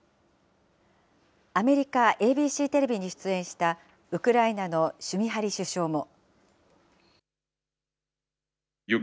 アメリカＡＢＣテレビに出演したウクライナのシュミハリ首相も。